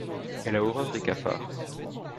Elle a horreur des cafards.